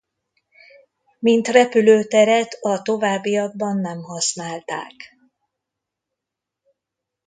Mint repülőteret a továbbiakban nem használták.